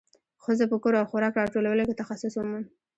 ښځو په کور او خوراک راټولولو کې تخصص وموند.